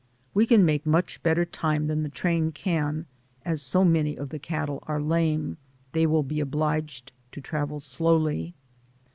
We can make much better time than the train can, as so many of the cattle are lame, they will be obliged to travel slowly.